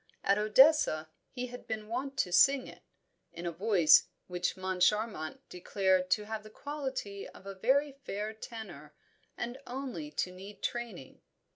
At Odessa he had been wont to sing it in a voice which Moncharmont declared to have the quality of a very fair tenor, and only to need training.